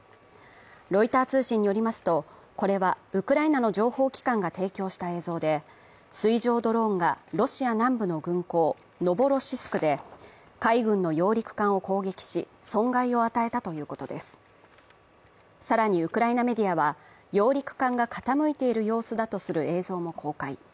ロイター通信によりますとこれはウクライナの情報機関が提供した映像で水上ドローンがロシア南部の軍港ノボロシスクで更にウクライナメディアは、揚陸艦が傾いている様子だとする映像も公開。